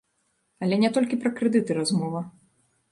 Але не толькі пра крэдыты размова.